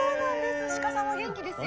鹿さんも元気ですよ。